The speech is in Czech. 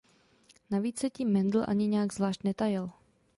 Navíc se tím Mendel ani nijak zvláště netajil.